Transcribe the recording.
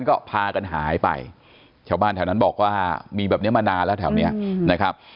ก็พากันหายไปชาวบ้านแถวนั้นบอกว่ามีแบบนี้มานานแล้วแถวนี้นะครับ